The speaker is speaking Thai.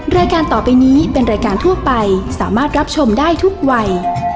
รายการต่อไปนี้เป็นรายการทั่วไปสามารถรับชมได้ทุกวัย